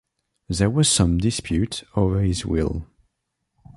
There was some dispute over his will.